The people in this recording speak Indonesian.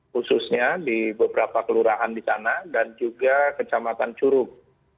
khususnya di beberapa kelurahan di sana dan juga kecamatan curug